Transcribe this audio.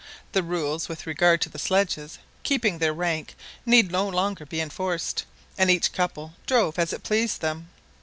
The rules with regard to the sledges keeping their rank need no longer be enforced, and each couple drove as it pleased them.